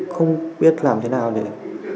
không biết làm thế nào để